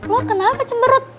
lo kenapa cemberut